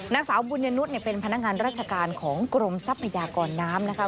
นางสาวบุญญนุษย์เป็นพนักงานราชการของกรมทรัพยากรน้ำนะคะ